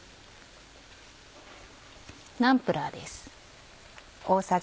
ナンプラーです。